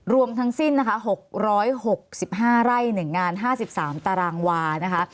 รวมทั้งสิ้นนะคะ๖๖๕ไร่๑งาน๕๓ตารางวานะคะ